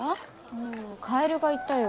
うんカエルがいたよ。